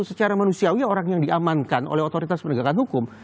secara manusiawi orang yang diamankan oleh otoritas penegakan hukum